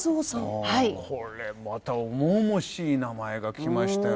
これまた重々しい名前がきましたよ。